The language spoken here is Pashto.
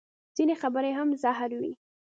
ځینې خبرې هم زهر وي